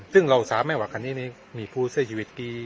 ซึ่งเราสามารศแม่ว่าคันนี้มีเพื่อเสียชีวิตกิน